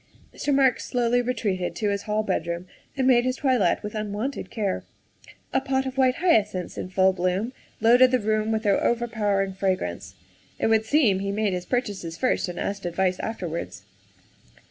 '' Mr. Marks slowly retreated to his hall bedroom and made his toilet with unwonted care. A pot of white hyacinths in full bloom loaded the room with their over powering fragrance. It would seem that he made his purchases first and asked advice afterwards.